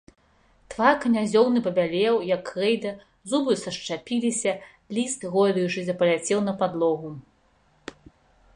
Твар князёўны пабялеў, як крэйда, зубы сашчапіліся, ліст, гойдаючыся, паляцеў на падлогу.